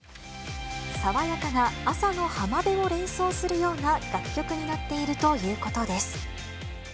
爽やかな朝の浜辺を連想するような楽曲になっているということです。